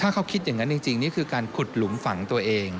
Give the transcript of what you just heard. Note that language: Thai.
ถ้าเขาคิดอย่างนั้นจริงนี่คือการขุดหลุมฝังตัวเอง